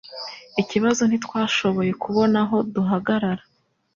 Ikibazo ntitwashoboye kubona aho duhagarara.